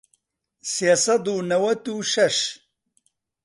سێ سەد و نەوەت و شەش